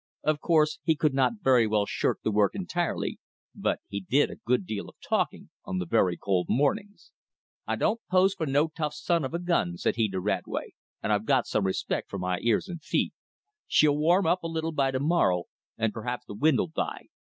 Of course he could not very well shirk the work entirely, but he did a good deal of talking on the very cold mornings. "I don't pose for no tough son of a gun," said he to Radway, "and I've got some respect for my ears and feet. She'll warm up a little by to morrow, and perhaps the wind'll die.